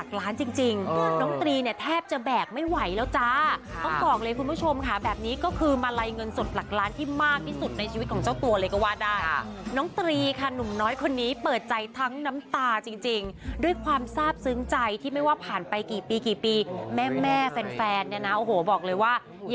เค้าจัดมาเป็นแบบหางนกยุงลำแพงแดงจ้าไปเลย